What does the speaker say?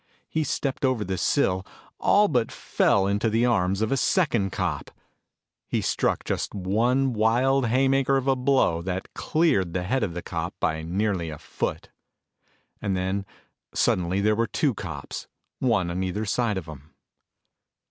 He stepped over the sill, all but fell into the arms of a second cop. He struck just one wild haymaker of a blow that cleared the head of the cop by nearly a foot. And then suddenly there were two cops one on either side of him.